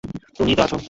তুমিই তো আছো।